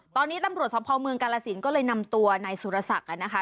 ตอนนี้ตำรวจสภเมืองกาลสินก็เลยนำตัวนายสุรศักดิ์นะคะ